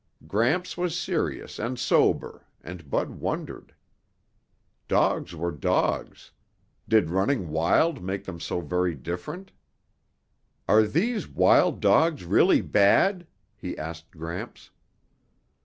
Gramps was serious and sober and Bud wondered. Dogs were dogs; did running wild make them so very different? "Are these wild dogs really bad?" he asked Gramps.